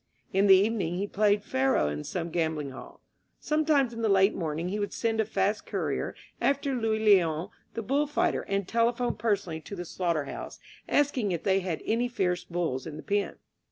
In the evening he played faro in some gambling hall. Sometimes in the late morning he would send a fast courier after Luis Leon, the bull fighter, and telephone personally to the slaughter house, asking if they had any fierce bulls in the pen.